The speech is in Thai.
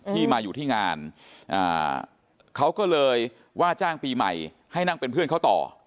ที่มาอยู่ที่งานเขาก็เลยว่าจ้างปีใหม่ให้นั่งเป็นเพื่อนเขาต่อ